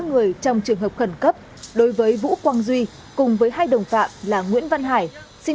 người trong trường hợp khẩn cấp đối với vũ quang duy cùng với hai đồng phạm là nguyễn văn hải